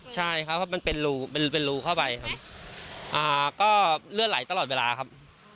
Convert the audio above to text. ใช่ครับมันเป็นรูเป็นรูเข้าไปครับก็เลือดไหลตลอดเวลาครับ